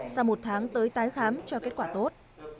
sau một tháng tới tái khám cho kết quả tốt